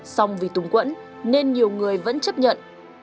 xong vì túng quẫn nên nhiều người vẫn chấp nhận